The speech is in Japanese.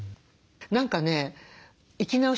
何かね生き直してます。